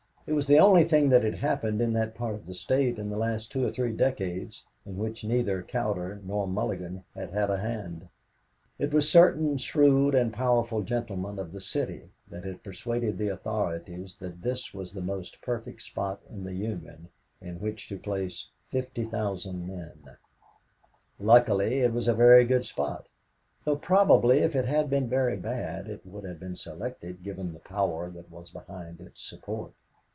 It was the only thing that had happened in that part of the State in the last two or three decades in which neither Cowder nor Mulligan had had a hand. It was certain shrewd and powerful gentlemen of the City that had persuaded the authorities that this was the most perfect spot in the Union in which to place 50,000 men. Luckily, it was a very good spot, though probably if it had been very bad, it would have been selected, given the power that was behind its support.